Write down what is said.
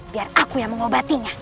biar aku yang mengobatinya